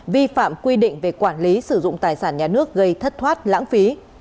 vi phạm quy định về quản lý sử dụng tài sản nhà nước gây thất thoát lãng phí